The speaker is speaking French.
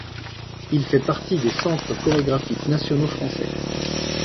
Il fait partie des centres chorégraphiques nationaux français.